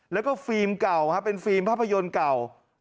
แล้วก็ฟิล์มเก่าเป็นฟิล์มภาพยนตร์เก่า